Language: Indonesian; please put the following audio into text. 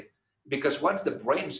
karena setelah otak berhenti